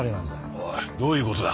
おいどういう事だ？